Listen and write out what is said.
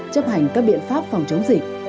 chấp hành các biện pháp phòng chống dịch